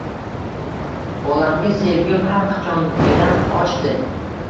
Bolamga sevgim har qachongidan oshdi